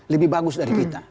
lebih bagus dari kita